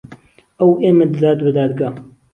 ئەو ئێمە دەدات بە دادگا.